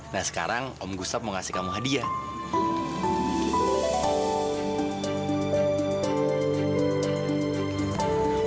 nah sekarang om gustop mau kasih kamu hadiah